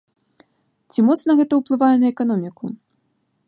Ці моцна гэта ўплывае на эканоміку?